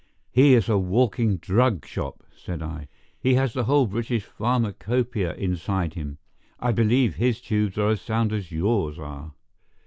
"He is a walking drug shop," said I. "He has the whole British pharmacopa├" inside him. I believe his tubes are as sound as yours are."